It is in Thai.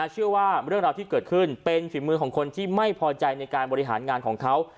เชื่อว่าเรื่องราวที่เกิดขึ้นเป็นฝีมือของคนที่ไม่พอใจในการบริหารงานของเขา